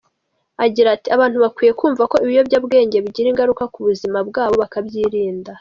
Agira ati :”Abantu bakwiye kumva ko ibiyobyabwenge bigira ingaruka ku buzima bwabo bakabyirinda ”.